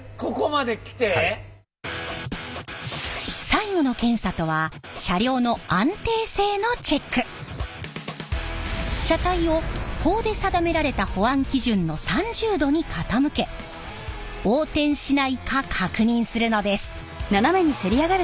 最後の検査とは車体を法で定められた保安基準の３０度に傾け横転しないか確認するのです。